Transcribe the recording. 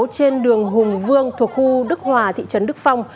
trên đường hùng vương thuộc khu đức hòa thị trấn đức phong